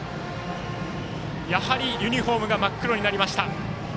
やはりユニフォームが真っ黒になりました。